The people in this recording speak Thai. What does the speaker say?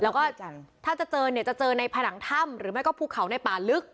แล้วก็ถ้าจะเจอเนี่ยจะเจอในผนังถ้ำหรือไม่ก็ภูเขาในป่าลึก